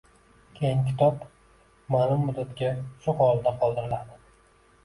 Keyin kitob ma’lum muddatga shu holida qoldiriladi.